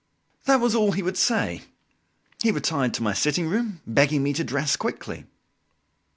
That was all he would say. He retired to my sitting room, begging me to dress quickly.